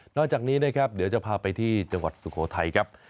นอกจากนี้เดี๋ยวจะพาไปที่จังหวัดสุโขทัยครับ